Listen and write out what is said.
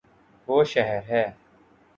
وہ شہر ہے